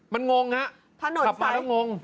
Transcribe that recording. มันงงมงนะถนกลับวันก็งง